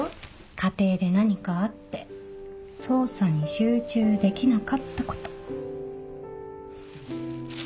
家庭で何かあって捜査に集中できなかったこと。